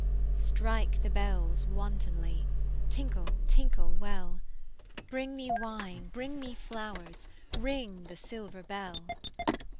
Strike the bells wantonly, Tinkle tinkle well; Bring me wine, bring me flowers, Ring the silver bell.